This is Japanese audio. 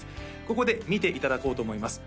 ここで見ていただこうと思います